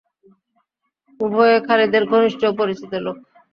উভয়ে খালিদের ঘনিষ্ঠ ও পরিচিত লোক।